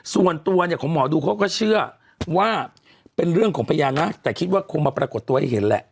ส่วนตัวเนี่ยของหมอดูเขาก็เชื่อว่าเป็นเรื่องของพญานาคแต่คิดว่าคงมาปรากฏตัวให้เห็นแหละ